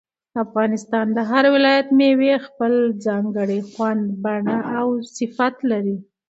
د افغانستان د هر ولایت مېوې خپل ځانګړی خوند، بڼه او صفت لري.